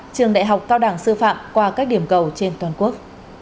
trường đại học cao đẳng sư phạm qua các điểm cầu trên toàn quốc